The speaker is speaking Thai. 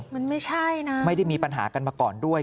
มันไม่ใช่นะไม่ได้มีปัญหากันมาก่อนด้วย